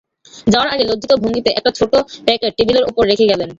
যাওয়ার আগে লজ্জিত ভঙ্গিতে একটা ছোট প্যাকেট টেবিলের ওপর রেখে গেলেন।